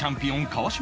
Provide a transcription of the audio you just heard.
「川島」